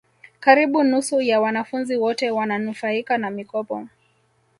karibu nusu ya wanafunzi wote wananufaika na mikopo